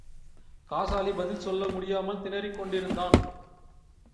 காசாலி பதில் சொல்ல முடியாமல் திணறிக் கொண்டிருந்தான்!